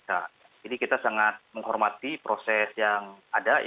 jadi kita sangat menghormati proses yang ada